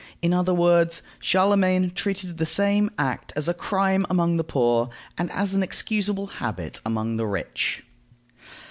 In other words, Charlemagne treated the same act as a crime among the poor, and as an excusable habit among the rich.